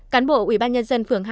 cán bộ ubnd phường hai